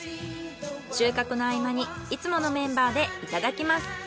収獲の合間にいつものメンバーでいただきます。